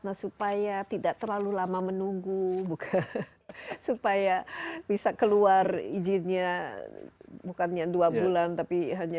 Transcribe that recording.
nah supaya tidak terlalu lama menunggu supaya bisa keluar izinnya bukannya dua bulan tapi hanya